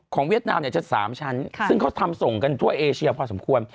ของเวียดนามจะเป็นสามชั้นซึ่งเขาทำส่งกันทั่วเอเชียพอสมควร